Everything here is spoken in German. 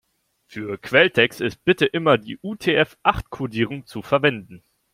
Für Quelltext ist bitte immer die UTF-acht-Kodierung zu verwenden.